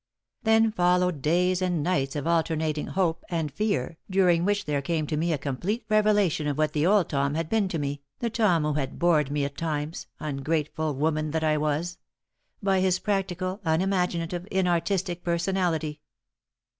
Then followed days and nights of alternating hope and fear, during which there came to me a complete revelation of what the old Tom had been to me, the Tom who had bored me at times ungrateful woman that I was! by his practical, unimaginative, inartistic personality.